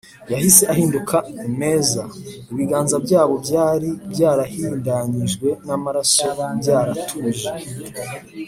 yahise ahinduka meza, ibiganza byabo byari byarahindanyijwe n’amaraso byaratuje